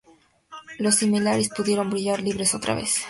Los Silmarils pudieron brillar libres otra vez.